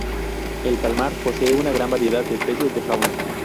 El palmar posee una gran variedad de especies de fauna.